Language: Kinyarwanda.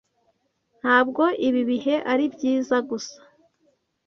Ntabwo ibi bihe ari byiza gusa!